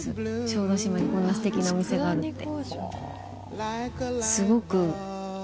小豆島にこんなステキなお店があるって。